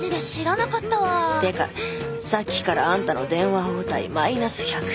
てかさっきからあんたの電話応対マイナス１００点。